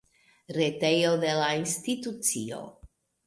Retejo de la institucio.